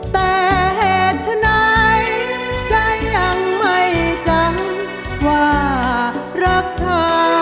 แต่เหตุไหนใจยังไม่จำว่ารักทำ